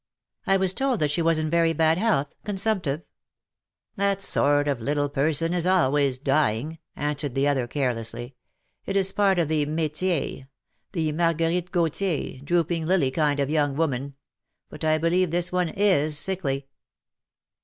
" I was told that she was in very bad health — consumptive ?" "That sort of little person is always dying," answered the other carelessly. " It is a part of the metier^ihe Marguerite Gauthier, drooping lily kind of young woman. But I believe this one is sickly."